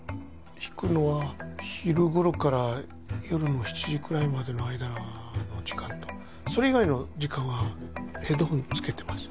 弾くのは昼頃から夜の７時くらいまでの間の時間とそれ以外の時間はヘッドホンつけてます